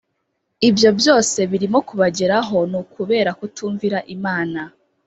ibyo byose birimo kubageraho nukubera kutumvira imana